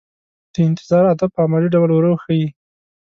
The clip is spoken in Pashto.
د انتظار آداب په عملي ډول ور وښيي.